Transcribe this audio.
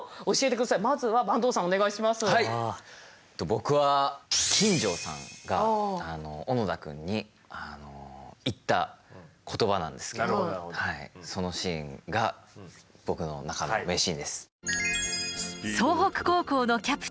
僕は金城さんが小野田くんに言った言葉なんですけどそのシーンが僕の中の名シーンです。